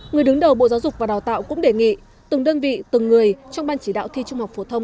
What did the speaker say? người đứng đầu bộ giáo dục và đào tạo cũng đề nghị từng đơn vị từng người trong ban chỉ đạo thi trung học phổ thông